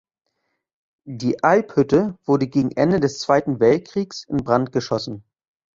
Die Alphütte wurde gegen Ende des Zweiten Weltkriegs in Brand geschossen.